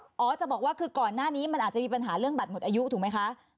หมอจะบอกว่าคือก่อนหน้านี้มันอาจจะมีปัญหาเรื่องบัตรหมดอายุถูกไหมคะ